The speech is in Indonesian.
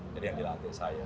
jadi yang dilantik saya